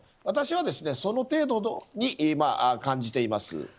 私はその程度に感じています。